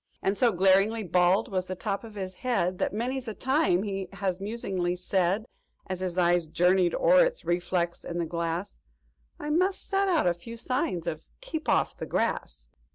"And so glaringly bald was the top of his head That many's the time he has musingly said, "As his eyes journeyed o'er its reflex in the glass, 'I must set out a few signs of _Keep Off the Grass!